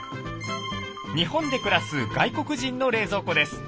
日本で暮らす外国人の冷蔵庫です。